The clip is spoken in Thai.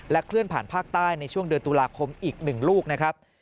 เคลื่อนผ่านภาคใต้ในช่วงเดือนตุลาคมอีก๑ลูกนะครับ